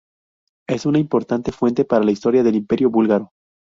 Es una importante fuente para la historia del Imperio búlgaro.